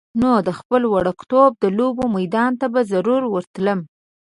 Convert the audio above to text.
نو د خپل وړکتوب د لوبو میدان ته به ضرور ورتللم.